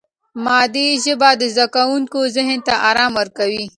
مادي ژبه د زده کوونکي ذهن ته آرام ورکوي.